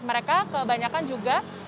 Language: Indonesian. mereka kebanyakan juga